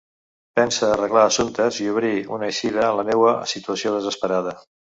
Pense arreglar assumptes i obrir una eixida en la meua situació desesperada.